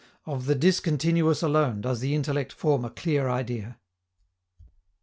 _Of the discontinuous alone does the intellect form a clear idea.